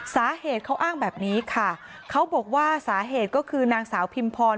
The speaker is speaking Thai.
สาเหตุเขาอ้างแบบนี้ค่ะเขาบอกว่าสาเหตุก็คือนางสาวพิมพร